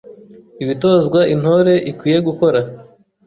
Ibitozwa Intore ikwiye gukora